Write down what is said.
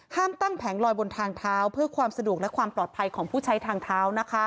ตั้งแผงลอยบนทางเท้าเพื่อความสะดวกและความปลอดภัยของผู้ใช้ทางเท้า